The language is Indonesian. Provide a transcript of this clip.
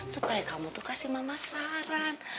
supaya kamu tuh kasih mama saran